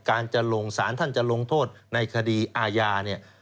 การจะลงสารท่านจะลงโทษในคดีอาญาเนี่ย